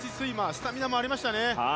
スタミナもありましたね。